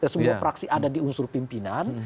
semua praksi ada di unsur pimpinan